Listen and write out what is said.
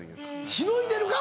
しのいでるか？